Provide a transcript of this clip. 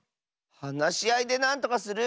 はなしあいでなんとかする！